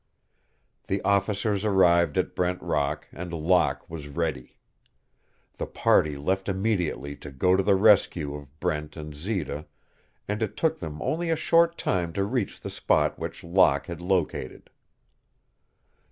The officers arrived at Brent Rock and Locke was ready. The party left immediately to go to the rescue of Brent and Zita, and it took them only a short time to reach the spot which Locke had located.